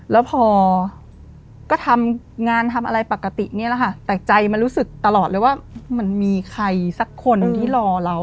แล้วพอก็ทำงานทำอะไรปกติเนี่ยแหละค่ะแต่ใจมันรู้สึกตลอดเลยว่ามันมีใครสักคนที่รอเรา